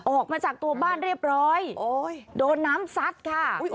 ออกมาจากตัวบ้านเรียบร้อยโดนน้ำซัดค่ะ